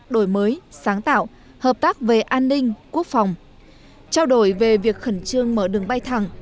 đổi mới sáng tạo hợp tác về an ninh quốc phòng trao đổi về việc khẩn trương mở đường bay thẳng